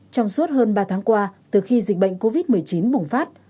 trong suốt hơn ba tháng qua từ khi dịch bệnh covid một mươi chín bùng phát